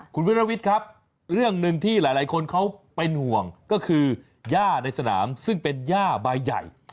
คุณวิรวิทย์ครับเรื่องหนึ่งที่หลายคนเขาเป็นห่วงก็คือย่าในสนามซึ่งเป็นย่าใบใหญ่